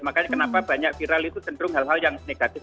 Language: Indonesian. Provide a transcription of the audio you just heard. makanya kenapa banyak viral itu cenderung hal hal yang negatif